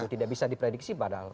tidak bisa diprediksi padahal